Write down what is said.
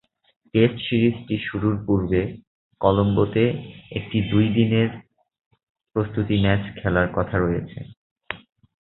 Test সিরিজটি শুরুর পূর্বে কলম্বোতে একটি দুই-দিনের প্রস্তুতি ম্যাচ খেলার কথা রয়েছে।